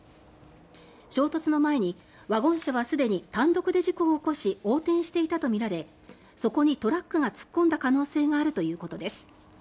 衝突の前にワゴン車はすでに単独で事故を起こし横転していたとみられそこにトラックが突っ込んだ可能性があるということです。